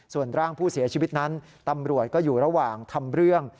ส่วนร่างผู้เสียชีวิตนั้นตำรวจก็อยู่ระหว่างทำเรื่อง